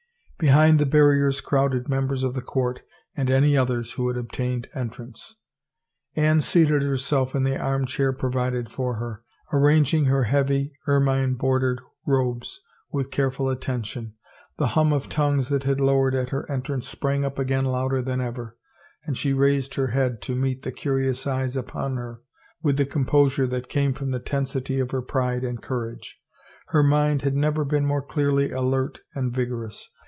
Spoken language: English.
Behind the barriers crowded members of the court and any others who had obtained entrance. Anne seated herself in the armchair provided for her, arranging her heavy, ermine bordered robes with care ful attention. The hum of tongues that had lowered at her entrance sprang up again louder than ever, and she raised her head to meet the curious eyes upon her with the composure that came from the tensity of her pride and courage. Her mind had never been more clearly alert and vigorous.